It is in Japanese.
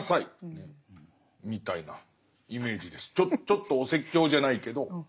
ちょっとお説教じゃないけど。